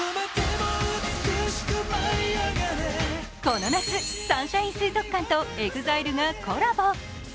この夏、サンシャイン水族館とＥＸＩＬＥがコラボ。